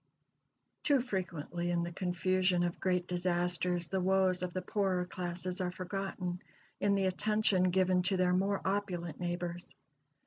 Too frequently in the confusion of great disasters the woes of the poorer classes are forgotten in the attention given to their more opulent neighbors.